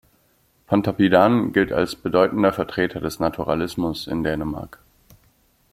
Pontoppidan gilt als bedeutender Vertreter des Naturalismus in Dänemark.